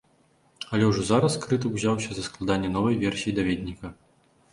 Але ўжо зараз крытык ўзяўся за складанне новай версіі даведніка.